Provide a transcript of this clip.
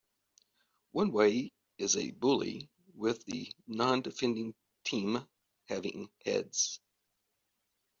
One way is a bully, with the non-offending team having "Heads".